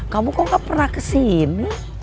kamu kok gak pernah kesini